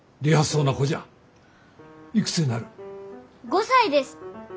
５歳です。